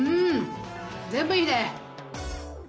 全部いいね！